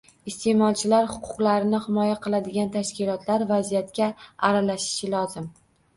Isteʼmolchilar huquqlarini himoya qiladigan tashkilotlar vaziyatga aralashishi lozim.